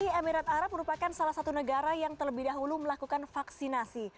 uni emirat arab merupakan salah satu negara yang terlebih dahulu melakukan vaksinasi